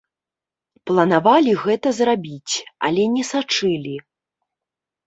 Планавалі гэта зрабіць, але не сачылі.